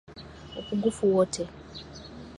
Upungufu wote.